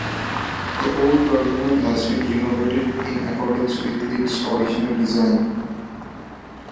The old terminal has been renovated in accordance with its original design.